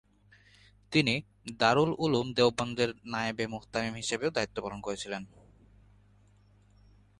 তিনি দারুল উলুম দেওবন্দের নায়েবে মুহতামিম হিসেবে দায়িত্ব পালন করেছিলেন।